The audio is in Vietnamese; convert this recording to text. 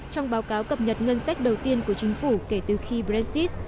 trong báo cáo cập nhật ngân sách đầu tiên của chính phủ kể từ khi brexit